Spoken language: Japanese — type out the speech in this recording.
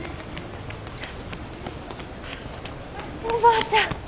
おばあちゃん